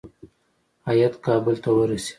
هیات کابل ته ورسېد.